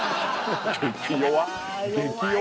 激弱。